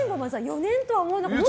４年とは思わなかった。